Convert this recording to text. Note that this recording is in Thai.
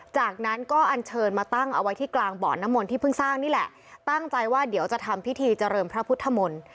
จากนั้นก็อันเชิญมาตั้งเอาไว้ที่กลางบ่อน้ำมนต์ที่เพิ่งสร้างนี่แหละตั้งใจว่าเดี๋ยวจะทำพิธีเจริญพระพุทธมนต์